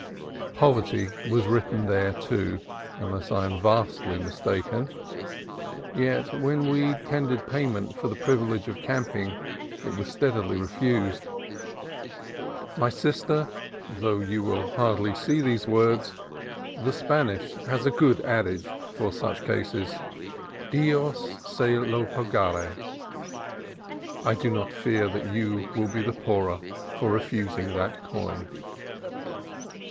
Poverty was written there, too, unless I am vastly mistaken ; yet when we ten dered payment for the privilege of camping it was steadily refused. My sister, — though you will hardly see these words, — the Spanish has a good adage for such cases, Dios se lo pagare. I do not fear that you will be the poorer for refusing that coin.